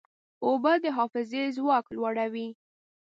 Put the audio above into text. اوبه د حافظې ځواک لوړوي.